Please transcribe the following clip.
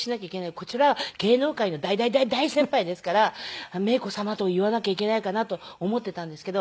こちらは芸能界の大大大大先輩ですからメイコ様と言わなきゃいけないかなと思っていたんですけど。